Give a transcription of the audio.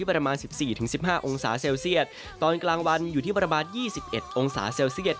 ประมาณ๑๔๑๕องศาเซลเซียตตอนกลางวันอยู่ที่ประมาณ๒๑องศาเซลเซียต